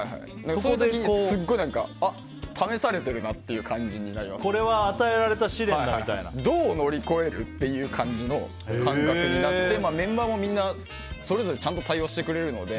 その時にすごいあ、試されてるなってこれは与えられた試練だどう乗り越える？っていう感じの感覚になってメンバーもみんなそれぞれちゃんと会話してくれるので。